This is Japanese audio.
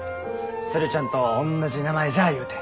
鶴ちゃんとおんなじ名前じゃゆうて。